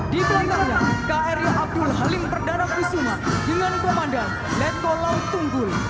di tengahnya kri abdul halim perdana kusuma dengan komandan netko laut tunggul